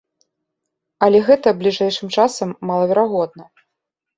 Але гэта бліжэйшым часам малаверагодна.